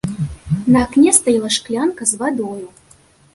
На акне стаяла шклянка з вадою.